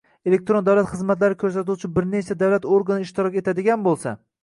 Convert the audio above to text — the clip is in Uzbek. elektron davlat xizmatlari ko‘rsatuvchi bir nechta davlat organi ishtirok etadigan bo‘lsa